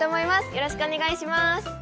よろしくお願いします！